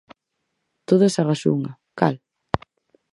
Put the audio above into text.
Todas agás unha, ¿cal?